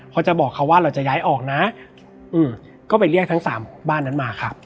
เขาจะบอกเขาว่าเราจะย้ายออกนะก็ไปเรียกทั้งสามบ้านนั้นมาครับ